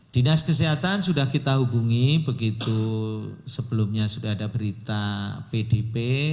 dinas kesehatan sudah kita hubungi begitu sebelumnya sudah ada berita pdp